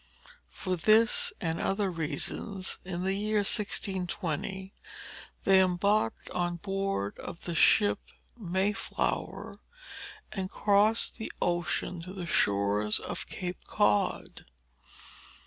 For this and other reasons, in the year 1620, they embarked on board of the ship Mayflower, and crossed the ocean to the shores of Cape Cod.